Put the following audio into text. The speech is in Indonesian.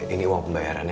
ini uang pembayarannya